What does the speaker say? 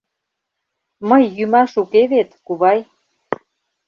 — Мый йӱмаш уке вет, кувай.